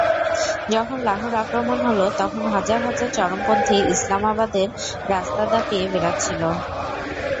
যখন লাহোর আক্রমণ হলো, তখন হাজার হাজার চরমপন্থী ইসলামাবাদের রাস্তা দাপিয়ে বেড়াচ্ছিল।